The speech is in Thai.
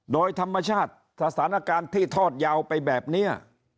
โดยธรรมชาติสถานการณ์ที่ทอดยาวไปแบบนี้